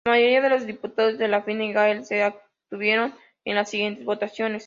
La mayoría de los diputados de Fine Gael se abstuvieron en las siguiente votaciones.